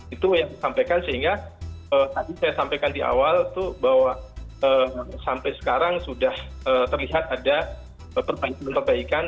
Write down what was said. itu yang disampaikan sehingga tadi saya sampaikan di awal itu bahwa sampai sekarang sudah terlihat ada perbaikan perbaikan